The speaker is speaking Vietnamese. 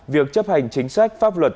việc chấp hành chính sách pháp luật